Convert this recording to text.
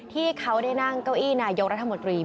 ที่เขาได้นั่งเก้าอี้นายกรัฐมนตรี